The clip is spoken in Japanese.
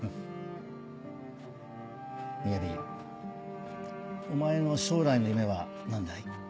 みやびお前の将来の夢は何だい？